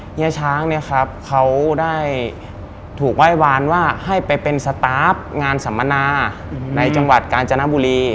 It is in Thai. เฮียช้างเนี่ยครับเขาได้ถูกไหว้วานว่าให้ไปเป็นสตาร์ฟงานสัมมนาในจังหวัดกาญจนบุรี